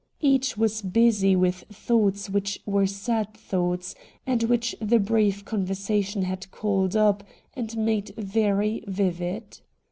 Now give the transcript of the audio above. Each was busy with thoughts which were sad thoughts, and which the brief con versation had called up and made very vivid.